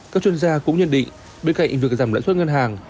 các chuyên gia cũng nhận định bên cạnh việc giảm lãnh xuất ngân hàng